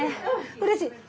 うれしい！